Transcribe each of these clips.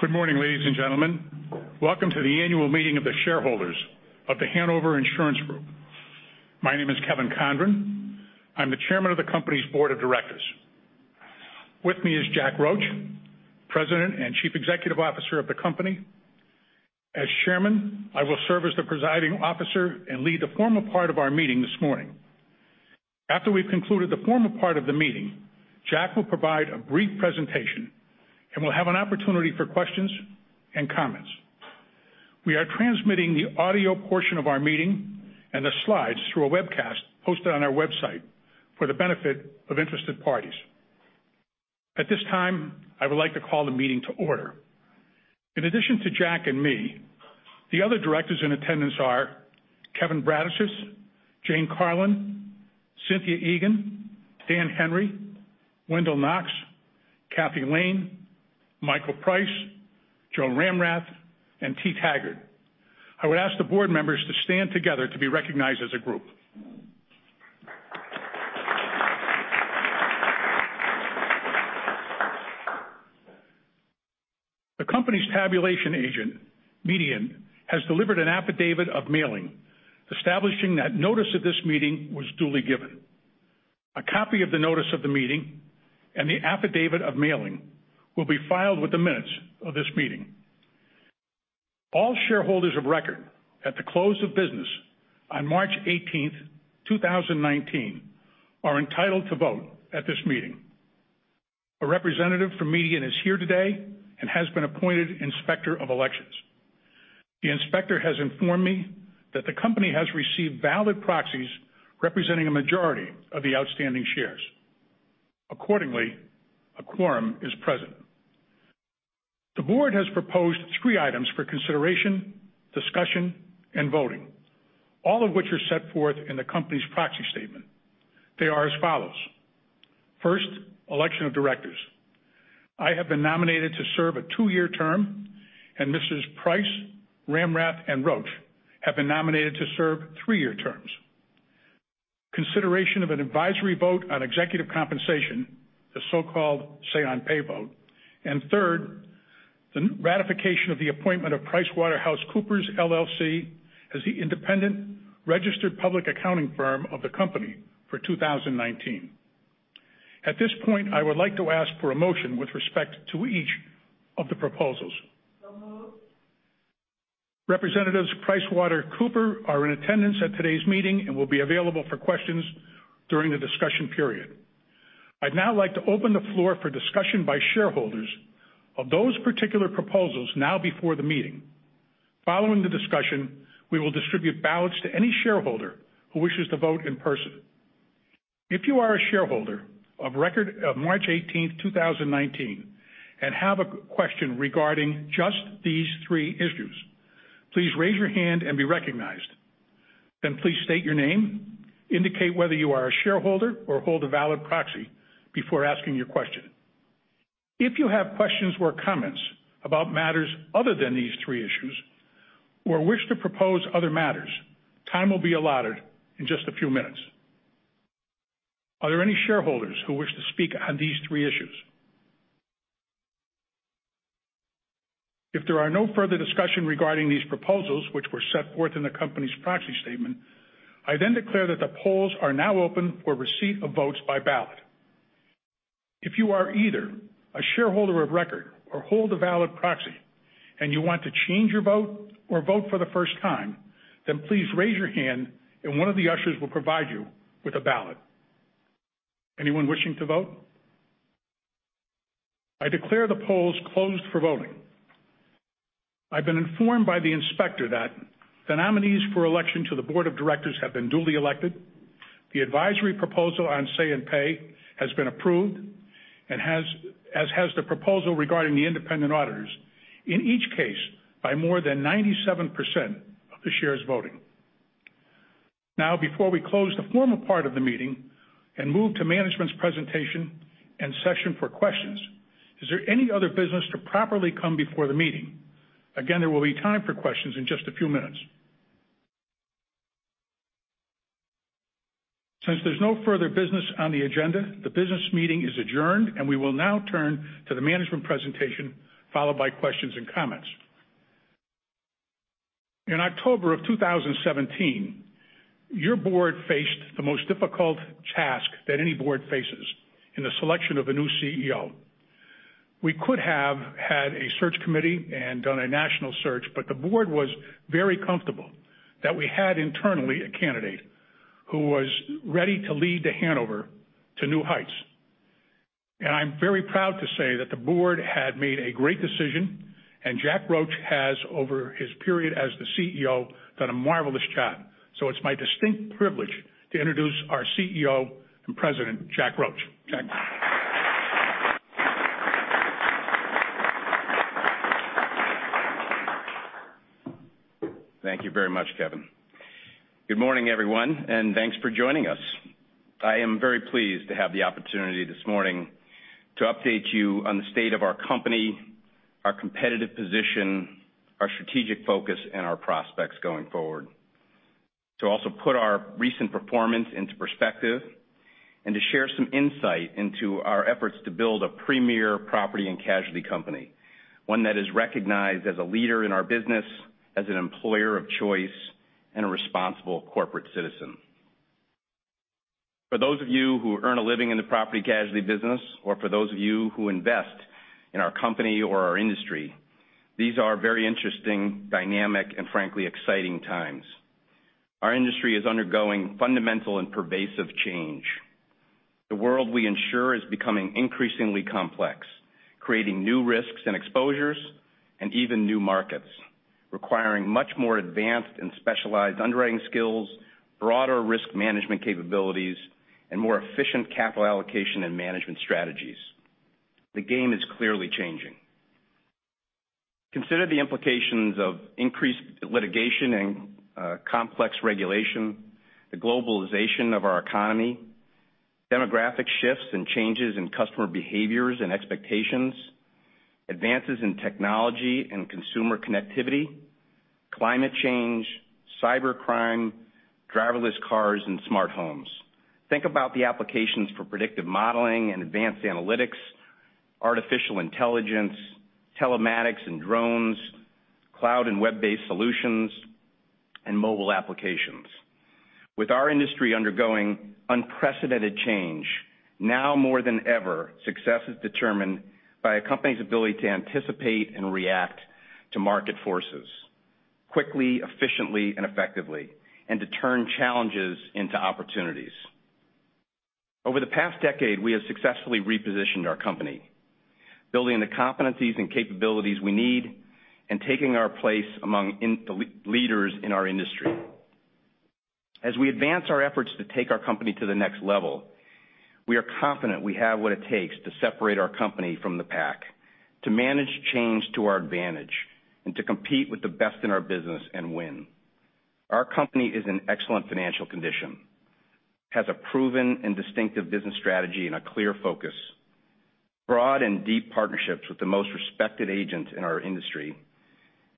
Good morning, ladies and gentlemen. Welcome to the annual meeting of the shareholders of The Hanover Insurance Group. My name is Kevin Condron. I am the chairman of the company's board of directors. With me is Jack Roche, President and Chief Executive Officer of the company. As chairman, I will serve as the presiding officer and lead the formal part of our meeting this morning. After we have concluded the formal part of the meeting, Jack will provide a brief presentation, and we will have an opportunity for questions and comments. We are transmitting the audio portion of our meeting and the slides through a webcast posted on our website for the benefit of interested parties. At this time, I would like to call the meeting to order. In addition to Jack and me, the other directors in attendance are Kevin Bradicich, Jane Carlin, Cynthia Egan, Dan Henry, Wendell Knox, Kathy Lane, Michael Price, Joan Ramrath, and T. Taggart. I would ask the board members to stand together to be recognized as a group. The company's tabulation agent, Mediant, has delivered an affidavit of mailing, establishing that notice of this meeting was duly given. A copy of the notice of the meeting and the affidavit of mailing will be filed with the minutes of this meeting. All shareholders of record at the close of business on March 18th, 2019 are entitled to vote at this meeting. A representative from Mediant is here today and has been appointed Inspector of Elections. The inspector has informed me that the company has received valid proxies representing a majority of the outstanding shares. Accordingly, a quorum is present. The board has proposed three items for consideration, discussion, and voting, all of which are set forth in the company's proxy statement. They are as follows. First, election of directors. I have been nominated to serve a two-year term and Mr. Price, Joan Ramrath, and Roche have been nominated to serve three-year terms. Consideration of an advisory vote on executive compensation, the so-called say-on-pay vote. Third, the ratification of the appointment of PricewaterhouseCoopers LLP as the independent registered public accounting firm of the company for 2019. At this point, I would like to ask for a motion with respect to each of the proposals. Moved. Representatives of PricewaterhouseCoopers are in attendance at today's meeting and will be available for questions during the discussion period. I'd now like to open the floor for discussion by shareholders of those particular proposals now before the meeting. Following the discussion, we will distribute ballots to any shareholder who wishes to vote in person. If you are a shareholder of record of March 18th, 2019, and have a question regarding just these three issues, please raise your hand and be recognized. Please state your name, indicate whether you are a shareholder or hold a valid proxy before asking your question. If you have questions or comments about matters other than these three issues or wish to propose other matters, time will be allotted in just a few minutes. Are there any shareholders who wish to speak on these three issues? If there are no further discussion regarding these proposals, which were set forth in the company's proxy statement, I declare that the polls are now open for receipt of votes by ballot. If you are either a shareholder of record or hold a valid proxy and you want to change your vote or vote for the first time, please raise your hand and one of the ushers will provide you with a ballot. Anyone wishing to vote? I declare the polls closed for voting. I've been informed by the inspector that the nominees for election to the board of directors have been duly elected. The advisory proposal on say-on-pay has been approved, as has the proposal regarding the independent auditors, in each case, by more than 97% of the shares voting. Before we close the formal part of the meeting and move to management's presentation and session for questions, is there any other business to properly come before the meeting? Again, there will be time for questions in just a few minutes. Since there's no further business on the agenda, the business meeting is adjourned. We will now turn to the management presentation, followed by questions and comments. In October of 2017, your board faced the most difficult task that any board faces in the selection of a new CEO. We could have had a search committee and done a national search, but the board was very comfortable that we had internally a candidate who was ready to lead The Hanover to new heights. I'm very proud to say that the board had made a great decision. Jack Roche has, over his period as the CEO, done a marvelous job. It's my distinct privilege to introduce our CEO and President, Jack Roche. Jack. Thank you very much, Kevin. Good morning, everyone, and thanks for joining us. I am very pleased to have the opportunity this morning to update you on the state of our company, our competitive position, our strategic focus, and our prospects going forward. To also put our recent performance into perspective and to share some insight into our efforts to build a premier property and casualty company, one that is recognized as a leader in our business, as an employer of choice, and a responsible corporate citizen. For those of you who earn a living in the property casualty business, or for those of you who invest in our company or our industry, these are very interesting, dynamic, and frankly, exciting times. Our industry is undergoing fundamental and pervasive change. The world we ensure is becoming increasingly complex, creating new risks and exposures, and even new markets, requiring much more advanced and specialized underwriting skills, broader risk management capabilities, and more efficient capital allocation and management strategies. The game is clearly changing. Consider the implications of increased litigation and complex regulation, the globalization of our economy, demographic shifts and changes in customer behaviors and expectations, advances in technology and consumer connectivity, climate change, cybercrime, driverless cars, and smart homes. Think about the applications for predictive modeling and advanced analytics, artificial intelligence, telematics and drones, cloud and web-based solutions, and mobile applications. With our industry undergoing unprecedented change, now more than ever, success is determined by a company's ability to anticipate and react to market forces quickly, efficiently, and effectively, and to turn challenges into opportunities. Over the past decade, we have successfully repositioned our company, building the competencies and capabilities we need and taking our place among the leaders in our industry. As we advance our efforts to take our company to the next level, we are confident we have what it takes to separate our company from the pack, to manage change to our advantage, and to compete with the best in our business and win. Our company is in excellent financial condition, has a proven and distinctive business strategy and a clear focus, broad and deep partnerships with the most respected agents in our industry,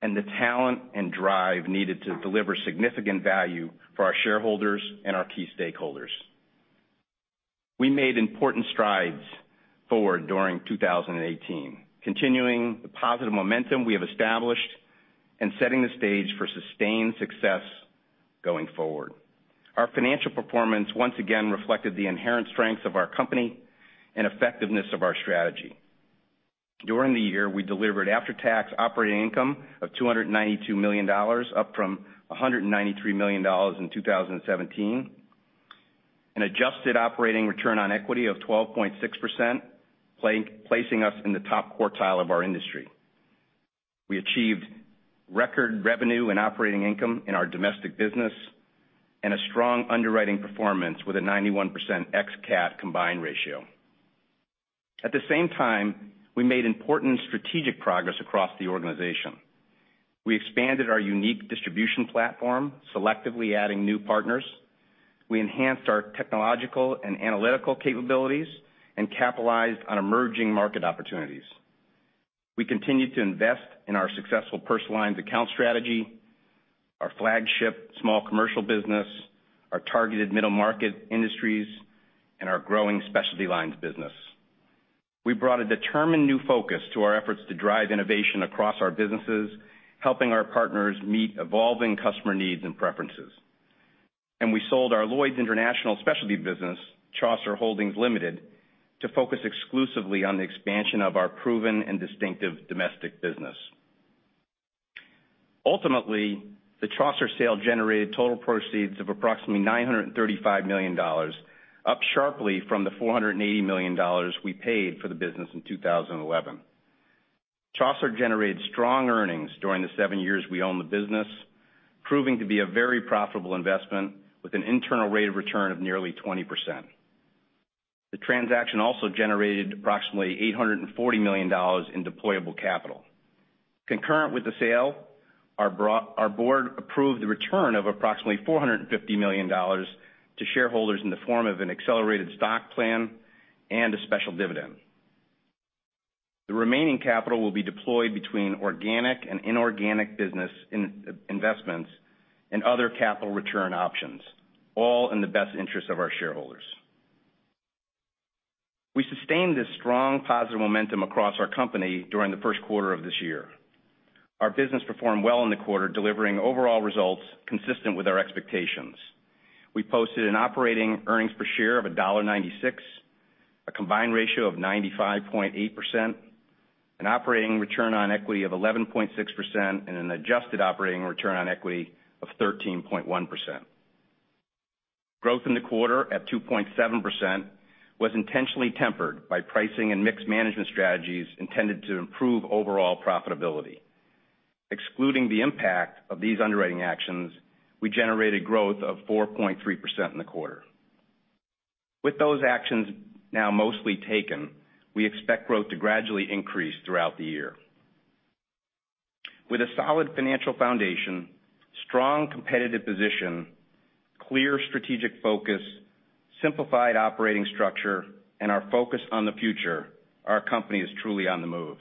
and the talent and drive needed to deliver significant value for our shareholders and our key stakeholders. We made important strides forward during 2018, continuing the positive momentum we have established and setting the stage for sustained success going forward. Our financial performance once again reflected the inherent strength of our company and effectiveness of our strategy. During the year, we delivered after-tax operating income of $292 million, up from $193 million in 2017, an adjusted operating return on equity of 12.6%, placing us in the top quartile of our industry. We achieved record revenue and operating income in our domestic business and a strong underwriting performance with a 91% ex-CAT combined ratio. At the same time, we made important strategic progress across the organization. We expanded our unique distribution platform, selectively adding new partners. We enhanced our technological and analytical capabilities and capitalized on emerging market opportunities. We continued to invest in our successful personal lines account strategy, our flagship small commercial business, our targeted middle market industries, and our growing specialty lines business. We brought a determined new focus to our efforts to drive innovation across our businesses, helping our partners meet evolving customer needs and preferences. We sold our Lloyd's International Specialty business, Chaucer Holdings Limited, to focus exclusively on the expansion of our proven and distinctive domestic business. Ultimately, the Chaucer sale generated total proceeds of approximately $935 million, up sharply from the $480 million we paid for the business in 2011. Chaucer generated strong earnings during the seven years we owned the business, proving to be a very profitable investment with an internal rate of return of nearly 20%. The transaction also generated approximately $840 million of deployable capital. Concurrent with the sale, our board approved the return of approximately $450 million to shareholders in the form of an accelerated stock plan and a special dividend. The remaining capital will be deployed between organic and inorganic business investments and other capital return options, all in the best interest of our shareholders. We sustained this strong positive momentum across our company during the first quarter of this year. Our business performed well in the quarter, delivering overall results consistent with our expectations. We posted an operating earnings per share of $1.96, a combined ratio of 95.8%, an operating return on equity of 11.6%, and an adjusted operating return on equity of 13.1%. Growth in the quarter at 2.7% was intentionally tempered by pricing and mixed management strategies intended to improve overall profitability. Excluding the impact of these underwriting actions, we generated growth of 4.3% in the quarter. With those actions now mostly taken, we expect growth to gradually increase throughout the year. With a solid financial foundation, strong competitive position, clear strategic focus, simplified operating structure, and our focus on the future, our company is truly on the move.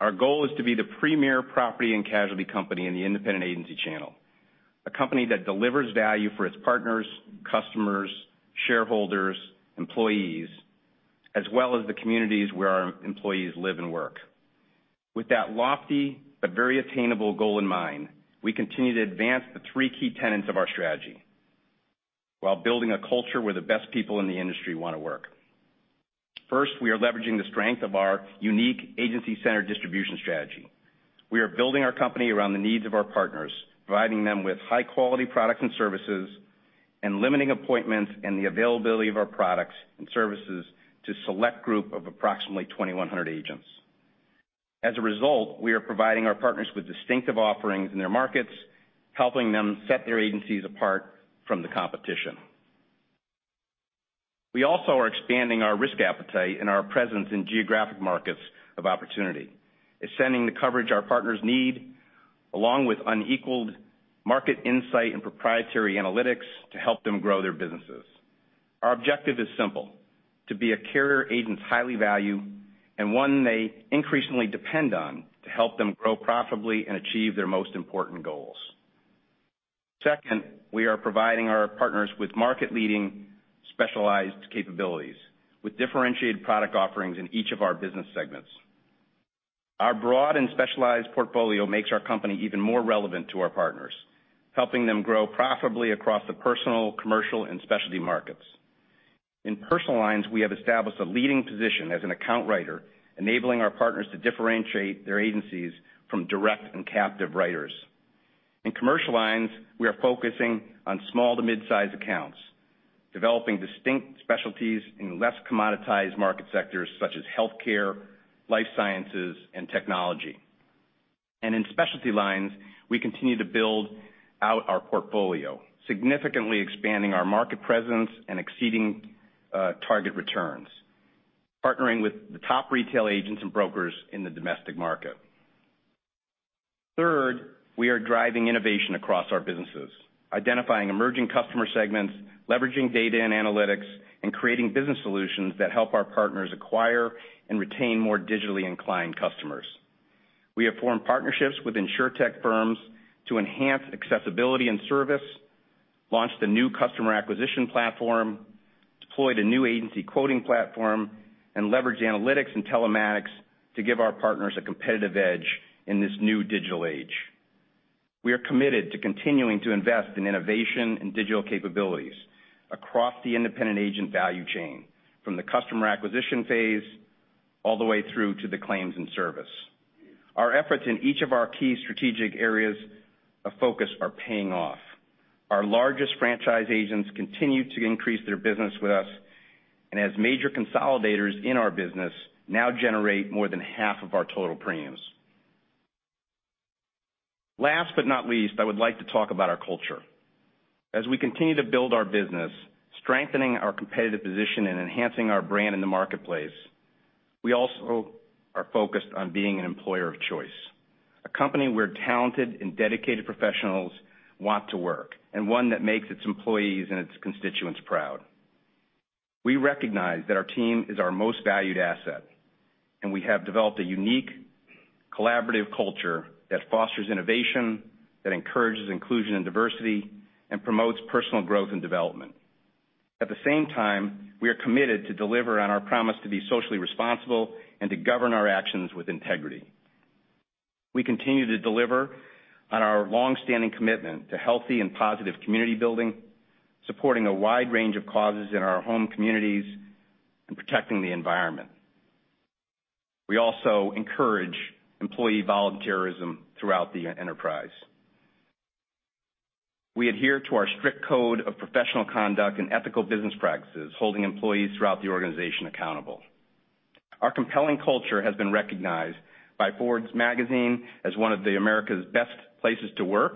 Our goal is to be the premier property and casualty company in the independent agency channel. A company that delivers value for its partners, customers, shareholders, employees, as well as the communities where our employees live and work. With that lofty but very attainable goal in mind, we continue to advance the three key tenets of our strategy while building a culture where the best people in the industry want to work. First, we are leveraging the strength of our unique agency-centered distribution strategy. We are building our company around the needs of our partners, providing them with high-quality products and services, and limiting appointments and the availability of our products and services to a select group of approximately 2,100 agents. As a result, we are providing our partners with distinctive offerings in their markets, helping them set their agencies apart from the competition. We also are expanding our risk appetite and our presence in geographic markets of opportunity, extending the coverage our partners need, along with unequaled market insight and proprietary analytics to help them grow their businesses. Our objective is simple, to be a carrier agents highly value, and one they increasingly depend on to help them grow profitably and achieve their most important goals. Second, we are providing our partners with market-leading specialized capabilities, with differentiated product offerings in each of our business segments. Our broad and specialized portfolio makes our company even more relevant to our partners, helping them grow profitably across the personal, commercial, and specialty markets. In personal lines, we have established a leading position as an account writer, enabling our partners to differentiate their agencies from direct and captive writers. In commercial lines, we are focusing on small to midsize accounts, developing distinct specialties in less commoditized market sectors such as healthcare, life sciences, and technology. In specialty lines, we continue to build out our portfolio, significantly expanding our market presence and exceeding target returns, partnering with the top retail agents and brokers in the domestic market. Third, we are driving innovation across our businesses, identifying emerging customer segments, leveraging data and analytics, creating business solutions that help our partners acquire and retain more digitally inclined customers. We have formed partnerships with insurtech firms to enhance accessibility and service, launched a new customer acquisition platform, deployed a new agency quoting platform, leverage analytics and telematics to give our partners a competitive edge in this new digital age. We are committed to continuing to invest in innovation and digital capabilities across the independent agent value chain, from the customer acquisition phase all the way through to the claims and service. Our efforts in each of our key strategic areas of focus are paying off. Our largest franchise agents continue to increase their business with us, and as major consolidators in our business, now generate more than half of our total premiums. Last but not least, I would like to talk about our culture. As we continue to build our business, strengthening our competitive position and enhancing our brand in the marketplace, we also are focused on being an employer of choice. A company where talented and dedicated professionals want to work, and one that makes its employees and its constituents proud. We recognize that our team is our most valued asset. We have developed a unique, collaborative culture that fosters innovation, that encourages inclusion and diversity, promotes personal growth and development. At the same time, we are committed to deliver on our promise to be socially responsible to govern our actions with integrity. We continue to deliver on our longstanding commitment to healthy and positive community building, supporting a wide range of causes in our home communities, protecting the environment. We also encourage employee volunteerism throughout the enterprise. We adhere to our strict code of professional conduct and ethical business practices, holding employees throughout the organization accountable. Our compelling culture has been recognized by Forbes magazine as one of the America's best places to work,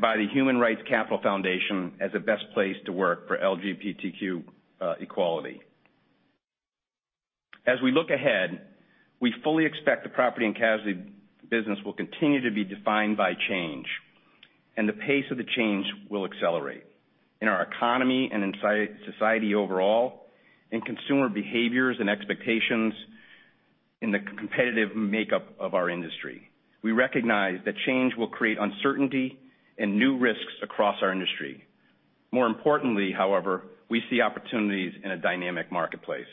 by the Human Rights Campaign Foundation as a best place to work for LGBTQ equality. As we look ahead, we fully expect the property and casualty business will continue to be defined by change, the pace of the change will accelerate in our economy and in society overall, in consumer behaviors and expectations, in the competitive makeup of our industry. We recognize that change will create uncertainty and new risks across our industry. More importantly, however, we see opportunities in a dynamic marketplace.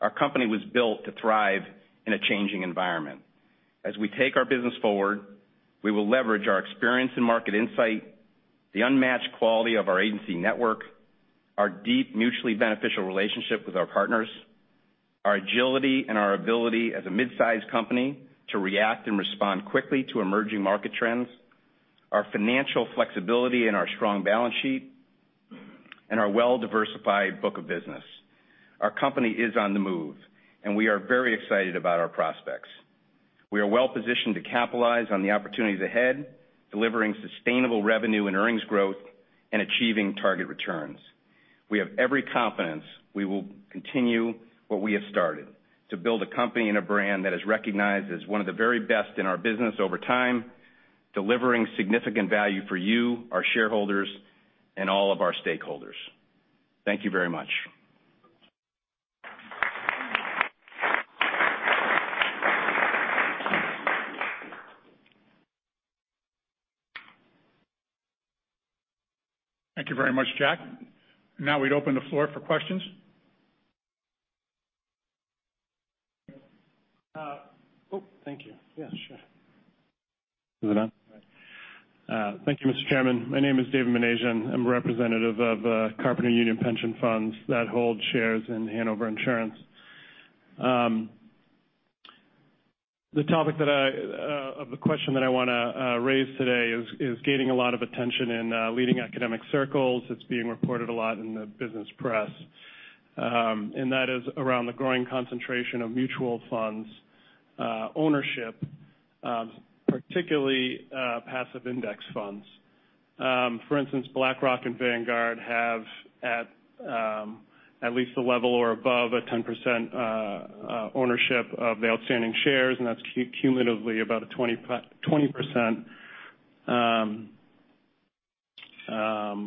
Our company was built to thrive in a changing environment. As we take our business forward, we will leverage our experience and market insight, the unmatched quality of our agency network, our deep, mutually beneficial relationship with our partners, our agility and our ability as a midsize company to react and respond quickly to emerging market trends, our financial flexibility and our strong balance sheet, and our well-diversified book of business. Our company is on the move, and we are very excited about our prospects. We are well-positioned to capitalize on the opportunities ahead, delivering sustainable revenue and earnings growth, and achieving target returns. We have every confidence we will continue what we have started, to build a company and a brand that is recognized as one of the very best in our business over time, delivering significant value for you, our shareholders, and all of our stakeholders. Thank you very much. Thank you very much, Jack. We'd open the floor for questions. Thank you. Sure. Is it on? All right. Thank you, Mr. Chairman. My name is David Menasian. I'm representative of Carpenter Union Pension Funds that hold shares in Hanover Insurance. The question that I want to raise today is gaining a lot of attention in leading academic circles. It's being reported a lot in the business press, and that is around the growing concentration of mutual funds ownership, particularly passive index funds. For instance, BlackRock and Vanguard have at least a level or above a 10% ownership of the outstanding shares, and that's cumulatively about a 20%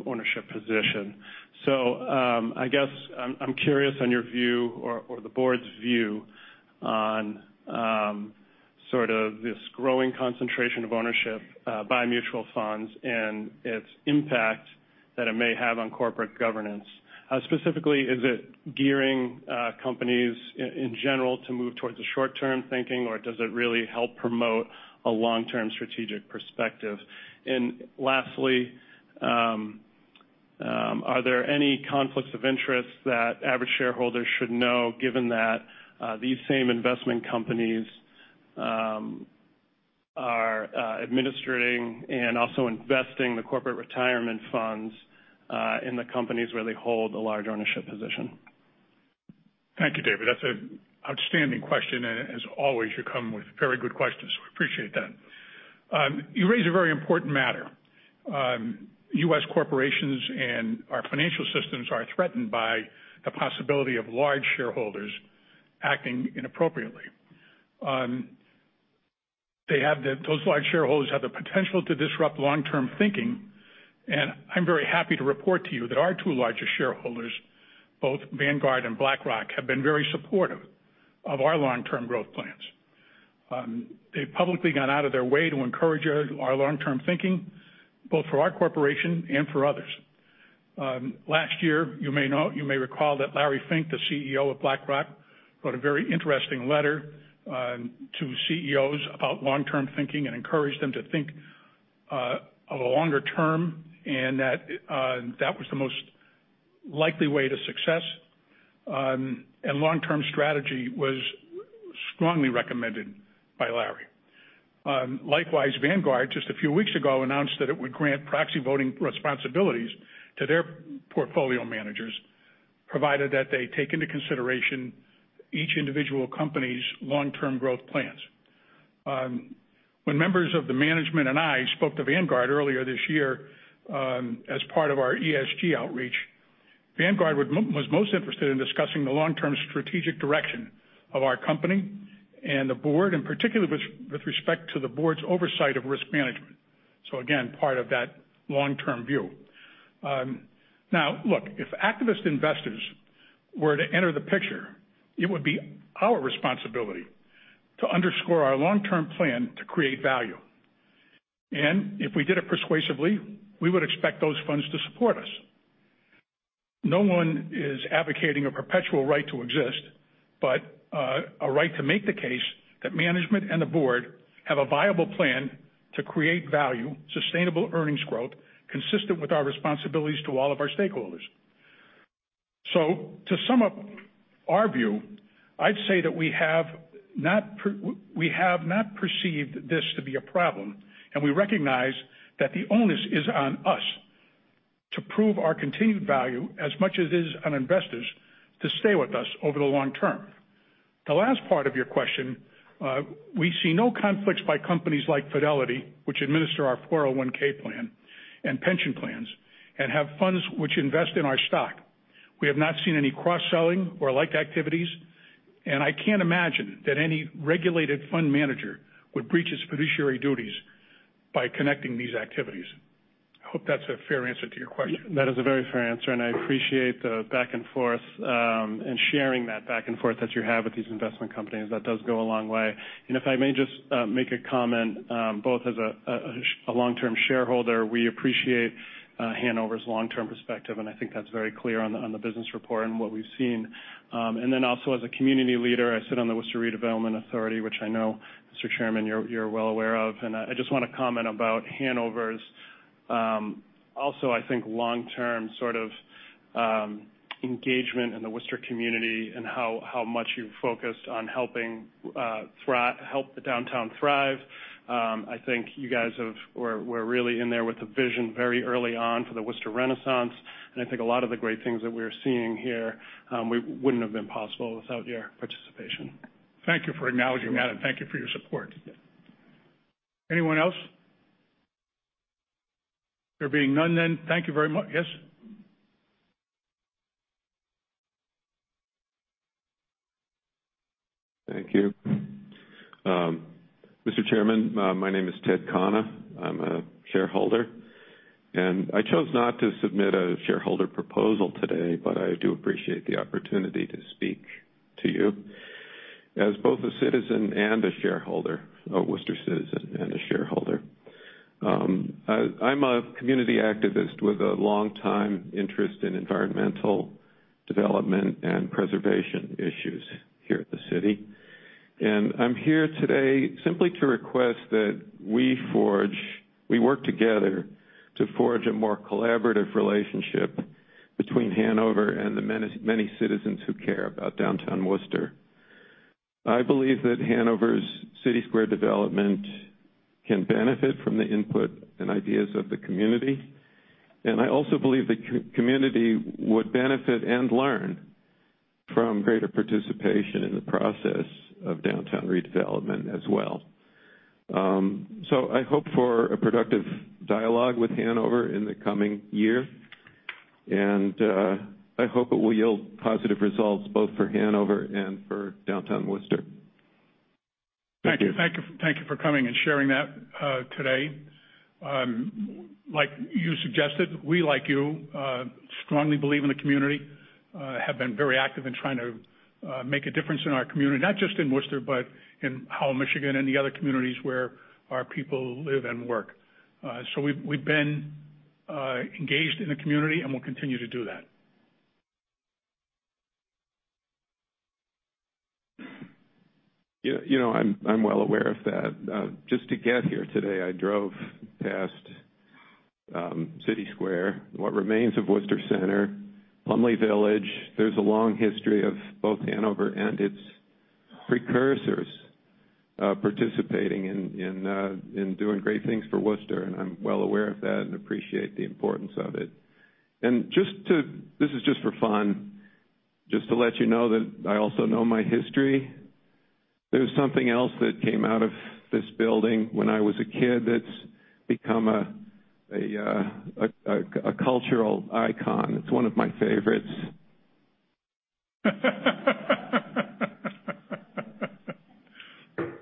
ownership position. I guess I'm curious on your view or the board's view on this growing concentration of ownership by mutual funds and its impact that it may have on corporate governance. Specifically, is it gearing companies in general to move towards a short-term thinking, or does it really help promote a long-term strategic perspective? Lastly, are there any conflicts of interest that average shareholders should know, given that these same investment companies are administering and also investing the corporate retirement funds in the companies where they hold a large ownership position? Thank you, David. That's an outstanding question. As always, you come with very good questions. We appreciate that. You raise a very important matter. U.S. corporations and our financial systems are threatened by the possibility of large shareholders acting inappropriately. Those large shareholders have the potential to disrupt long-term thinking. I'm very happy to report to you that our two largest shareholders, both Vanguard and BlackRock, have been very supportive of our long-term growth plans. They've publicly gone out of their way to encourage our long-term thinking, both for our corporation and for others. Last year, you may recall that Larry Fink, the CEO of BlackRock, wrote a very interesting letter to CEOs about long-term thinking and encouraged them to think of a longer term and that was the most likely way to success. Long-term strategy was strongly recommended by Larry. Likewise, Vanguard, just a few weeks ago, announced that it would grant proxy voting responsibilities to their portfolio managers, provided that they take into consideration each individual company's long-term growth plans. When members of the management and I spoke to Vanguard earlier this year as part of our ESG outreach, Vanguard was most interested in discussing the long-term strategic direction of our company and the board, and particularly with respect to the board's oversight of risk management. Again, part of that long-term view. Now, look, if activist investors were to enter the picture, it would be our responsibility to underscore our long-term plan to create value. If we did it persuasively, we would expect those funds to support us. No one is advocating a perpetual right to exist, but a right to make the case that management and the board have a viable plan to create value, sustainable earnings growth, consistent with our responsibilities to all of our stakeholders. To sum up our view, I'd say that we have not perceived this to be a problem. We recognize that the onus is on us to prove our continued value as much as it is on investors to stay with us over the long term. The last part of your question, we see no conflicts by companies like Fidelity, which administer our 401 plan and pension plans and have funds which invest in our stock. We have not seen any cross-selling or like activities. I can't imagine that any regulated fund manager would breach his fiduciary duties by connecting these activities. I hope that's a fair answer to your question. That is a very fair answer, I appreciate the back and forth, and sharing that back and forth that you have with these investment companies. That does go a long way. If I may just make a comment both as a long-term shareholder, we appreciate Hanover's long-term perspective, and I think that's very clear on the business report and what we've seen. Then also as a community leader, I sit on the Worcester Redevelopment Authority, which I know, Mr. Chairman, you're well aware of. I just want to comment about Hanover's also, I think, long-term sort of engagement in the Worcester community and how much you've focused on helping the downtown thrive. I think you guys were really in there with a vision very early on for the Worcester Renaissance, I think a lot of the great things that we're seeing here wouldn't have been possible without your participation. Thank you for acknowledging that, thank you for your support. Anyone else? There being none, thank you very much. Yes? Thank you. Mr. Chairman, my name is Ted Khanna. I'm a shareholder. I chose not to submit a shareholder proposal today, but I do appreciate the opportunity to speak to you as both a citizen and a shareholder, a Worcester citizen and a shareholder. I'm a community activist with a longtime interest in environmental development and preservation issues here at the city. I'm here today simply to request that we work together to forge a more collaborative relationship between Hanover and the many citizens who care about downtown Worcester. I believe that Hanover's City Square development can benefit from the input and ideas of the community, I also believe the community would benefit and learn from greater participation in the process of downtown redevelopment as well. I hope for a productive dialogue with Hanover in the coming year, and I hope it will yield positive results both for Hanover and for downtown Worcester. Thank you. Thank you for coming and sharing that today. Like you suggested, we, like you, strongly believe in the community, have been very active in trying to make a difference in our community, not just in Worcester, but in Howell, Michigan, and the other communities where our people live and work. We've been engaged in the community, and we'll continue to do that. I'm well aware of that. Just to get here today, I drove past City Square and what remains of Worcester Center, Plumley Village. There's a long history of both Hanover and its precursors participating and doing great things for Worcester, and I'm well aware of that and appreciate the importance of it. This is just for fun, just to let you know that I also know my history. There's something else that came out of this building when I was a kid that's become a cultural icon. It's one of my favorites.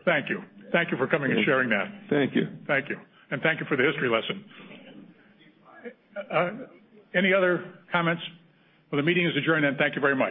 Thank you. Thank you for coming and sharing that. Thank you. Thank you. Thank you for the history lesson. Any other comments? The meeting is adjourned then. Thank you very much.